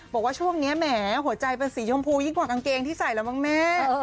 บอกว่าช่วงนี้แหมหัวใจเป็นสีชมพูยิ่งกว่ากางเกงที่ใส่แล้วมั้งแม่